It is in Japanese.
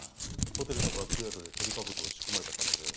ホテルのバックヤードでトリカブトを仕込まれた可能性は？